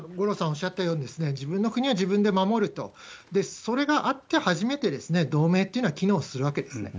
おっしゃったように、自分の国は自分で守ると、それがあって初めて、同盟っていうのは機能するわけですね。